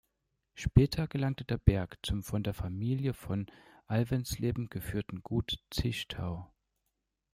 Später gelangte der Berg zum von der Familie von Alvensleben geführten Gut Zichtau.